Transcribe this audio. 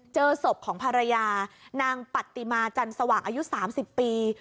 เจอศพของภรรยานางปฏิมาจันสว่างอายุ๓๐ปี